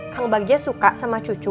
kang bagja suka sama cucu